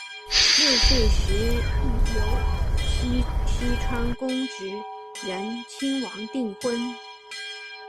六岁时与有栖川宫炽仁亲王订婚。